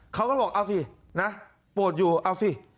เขาก็บอกเอาสินะปวดอยู่เอาสิ